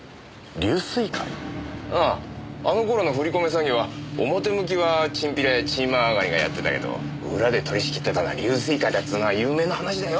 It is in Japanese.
詐欺は表向きはチンピラやチーマー上がりがやってたけど裏で取り仕切ってたのは龍翠会だっていうのは有名な話だよ。